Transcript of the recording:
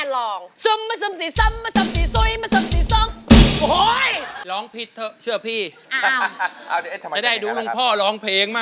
เล่น